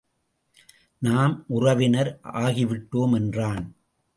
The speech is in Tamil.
நாம் உறவினர் ஆகிவிட்டோம் என்றான்.